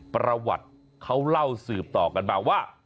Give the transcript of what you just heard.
ประวัติเขาเล่าสืบต่อกันมาว่า